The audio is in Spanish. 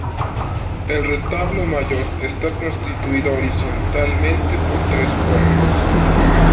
El retablo mayor está constituido horizontalmente por tres cuerpos.